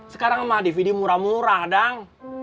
sekarang mah dvd murah murah dong